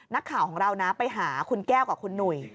นักข่าวของเรานะไปหาคุณแก้วกับคุณหนุ่ย